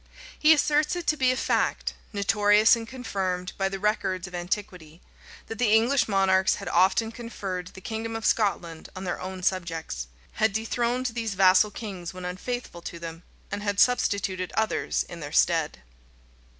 He asserts it to be a fact, "notorious and confirmed by the records of antiquity," that the English monarchs had often conferred the kingdom of Scotland on their own subjects, had dethroned these vassal kings when unfaithful to them; and had substituted others in their stead.